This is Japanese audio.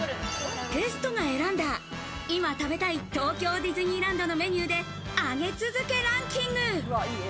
ゲストが選んだ、今、食べたい東京ディズニーランドのメニューで上げ続けランキング。